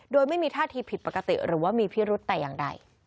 โดยไม่มีท่าทีผิดปกติหรือว่ามีพิรุธแต่อย่างใด